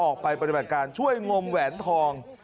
ปฏิบัติการช่วยงมแหวนทอง